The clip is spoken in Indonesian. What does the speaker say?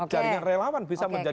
jadinya relawan bisa menjadi reksinya